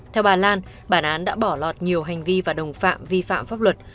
theo bà lan bản án đã bỏ lọt nhiều hành vi và đồng phạm vi phạm pháp luật